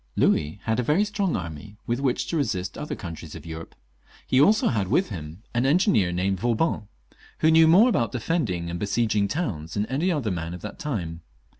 Louis had a very strong army with which to resist the other countries of Europe; he also had with him an engineer named Vauban, who knew more about defending and besieging towns than any other man of that time.